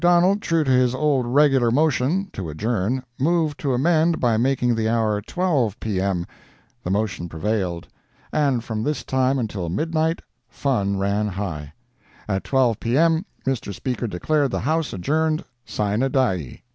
McDonald, true to his old regular motion [to adjourn] moved to amend by making the hour 12 P.M. The motion prevailed. And from this time until midnight, fun ran high. At 12 P.M. Mr. Speaker declared the House adjourned sine die.